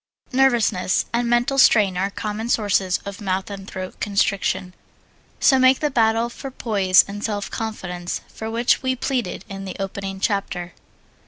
Nervousness and mental strain are common sources of mouth and throat constriction, so make the battle for poise and self confidence for which we pleaded in the opening chapter.